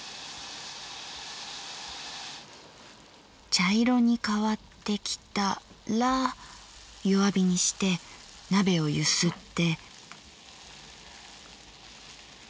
茶色に変わってきたら弱火にして鍋をゆすって。